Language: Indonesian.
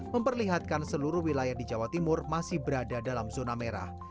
memperlihatkan seluruh wilayah di jawa timur masih berada dalam zona merah